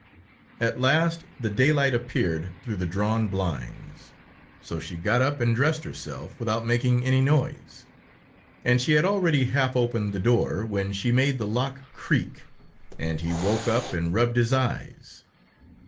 At last the daylight appeared through the drawn blinds; so she got up and dressed herself without making any noise, and she had already half opened the door, when she made the lock creak, and he woke up and rubbed his eyes.